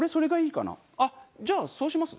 じゃあそうします？